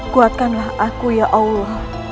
kuatkanlah aku ya allah